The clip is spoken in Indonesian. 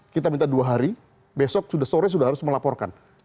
kita minta dua hari besok sudah sore sudah harus melaporkan